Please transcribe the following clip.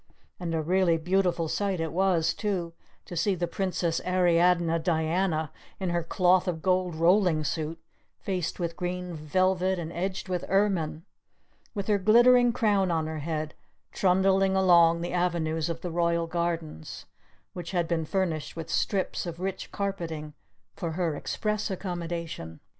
And a really beautiful sight it was, too, to see the Princess Ariadne Diana, in her cloth of gold rolling suit, faced with green velvet and edged with ermine, with her glittering crown on her head, trundling along the avenues of the royal gardens, which had been furnished with strips of rich carpeting for her express accommodation.